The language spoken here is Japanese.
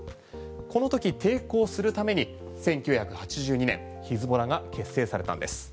この時抵抗するために１９８２年ヒズボラが結成されたんです。